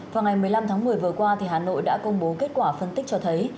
vào ngày một mươi năm tháng một mươi vừa qua hà nội đã công bố kết quả phân tích cho thấy